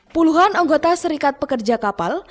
puluhan anggota serikat pekerja kapal